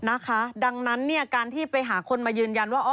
นะคะดังนั้นเนี่ยการที่ไปหาคนมายืนยันว่า